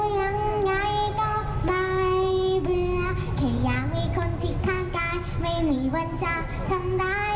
ไหนก็อย่างก็อย่าง